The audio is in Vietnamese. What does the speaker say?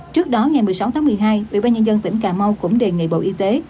trước đó ngày một mươi sáu tháng một mươi hai ủy ban nhân dân tỉnh cà mau cũng đề nghị bộ y tế